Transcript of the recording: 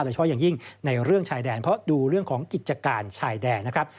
โดยเฉพาะอย่างยิ่งในเรื่องชายแดนเพราะดูเรื่องของกิจการชายแดนนะครับ